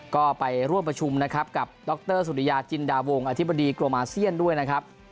ก็ไปร่วมประชุมนะครับกับดรสุริยาจินดาวงอธิบดีกรมอาเซียนด้วยนะครับ